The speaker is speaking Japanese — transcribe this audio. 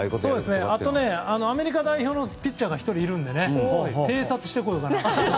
あと、アメリカ代表のピッチャーが１人いるので偵察してこようかなと。